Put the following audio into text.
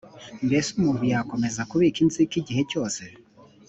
mbese umuntu yakomeza kubika inzika igihe cyose .